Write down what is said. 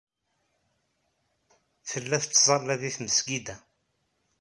Tella tettẓalla deg tmesgida.